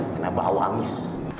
kena bau amis